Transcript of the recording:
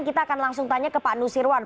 kita akan langsung tanya ke pak nusirwan